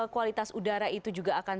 kualitas udara itu juga akan